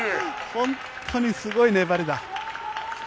本当にすごい粘りだ。